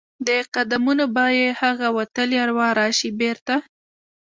د قدمونو به یې هغه وتلي اروا راشي بیرته؟